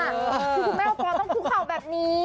คือคุณแม่โอปอล์ต้องคลุกเข่าแบบนี้